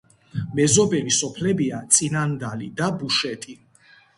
მეზობელი სოფლებია წინანდალი და ბუშეტი.